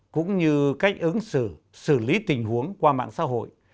cũng như cách ứng xử xử lý tình huống qua mạng xã hội